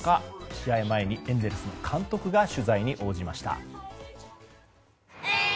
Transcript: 試合前にエンゼルスの監督が取材に応じました。